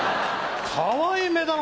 かわいい目だな。